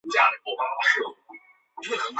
我已经陷入悲哀的轮回